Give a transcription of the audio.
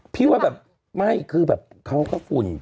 พี่ว่าแบบไม่คือแบบเขาก็ฝุ่น